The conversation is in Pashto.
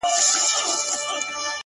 • یوه ورځ به دي چیچي؛ پر سپینو لېچو؛